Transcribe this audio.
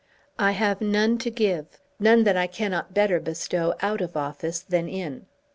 "I have none to give, none that I cannot better bestow out of office than in.